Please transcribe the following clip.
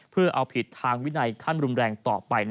เพื่อเอาผิดทางวินัยขั้นรุนแรงต่อไป